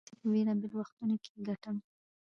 دا پيسې په بېلابېلو وختونو کې ګټم.